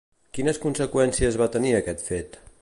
Quines conseqüències va tenir aquest fet?